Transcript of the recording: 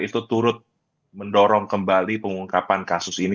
itu turut mendorong kembali pengungkapan kasus ini